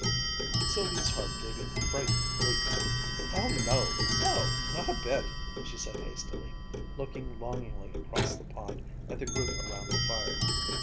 _" Sylvia's heart gave a frightened leap. "Oh no no not a bit!" she said hastily, looking longingly across the pond at the group around the fire.